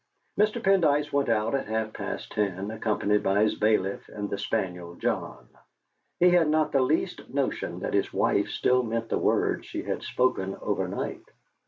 Mr. Pendyce went out at half past ten accompanied by his bailiff and the spaniel John. He had not the least notion that his wife still meant the words she had spoken overnight.